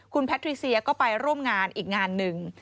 คุณแพทริเซียก็ไปร่วมงานอีกงานหนึ่ง